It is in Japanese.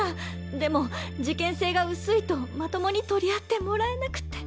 でも事件性が薄いとまともに取り合ってもらえなくて。